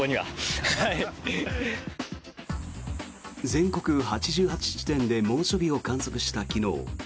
全国８８地点で猛暑日を観測した昨日。